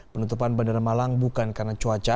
penutupan bandara malang bukan karena cuaca